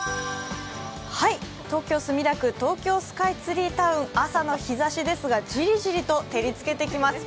東京・墨田区、東京スカイツリータウン朝の日ざしですが、ジリジリと照りつけてきます。